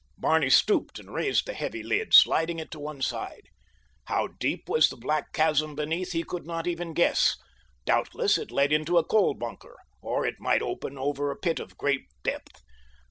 Barney stooped and raised the heavy lid, sliding it to one side. How deep was the black chasm beneath he could not even guess. Doubtless it led into a coal bunker, or it might open over a pit of great depth.